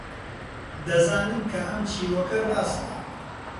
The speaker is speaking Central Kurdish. دەزانم کە ئەم چیرۆکە ڕاستە.